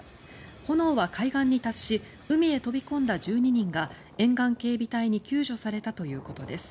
炎は海岸に達し海へ飛び込んだ１２人が沿岸警備隊に救助されたということです。